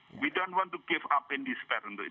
kita tidak mau menyerah di desember